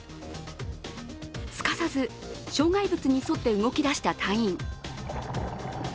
すかさず、障害物に沿って動き出した隊員。